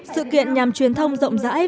sự kiện nhằm truyền thông rộng rãi